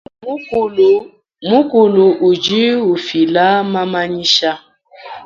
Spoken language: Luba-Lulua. Mukulu udi ufila mamanyisha.